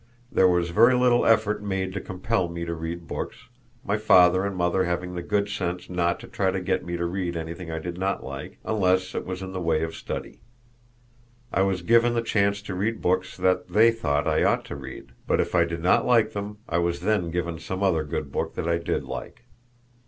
There was very little effort made to compel me to read books, my father and mother having the good sense not to try to get me to read anything I did not like, unless it was in the way of study. I was given the chance to read books that they thought I ought to read, but if I did not like them I was then given some other good book that I did like.